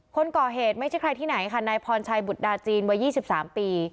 คนก่อเหตุไม่ใช่ใครที่ไหนค่ะนายพรชัยบุตรดาจีนวัย๒๓ปี